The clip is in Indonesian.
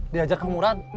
diajar kang murad